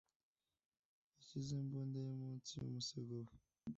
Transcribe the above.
yashyize imbunda ye munsi y umusego we.